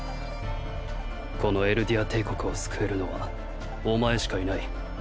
このエルディア帝国を救えるのはお前しかいない。